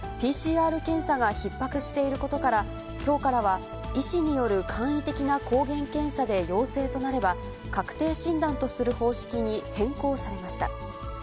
ＰＣＲ検査がひっ迫していることから、きょうからは医師による簡易的な抗原検査で陽性となれば、確定診断とする方式に変更されました。